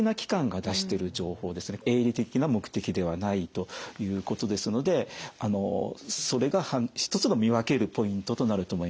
営利的な目的ではないということですのでそれが一つの見分けるポイントとなると思います。